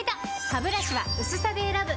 ハブラシは薄さで選ぶ！